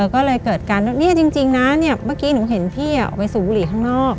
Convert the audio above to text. ก็เลยเกิดการว่าจริงนะเมื่อกี้หนูเห็นพี่ออกไปสูบบุหรี่ข้างนอก